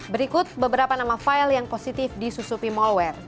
berikut beberapa nama file yang positif di susupi malware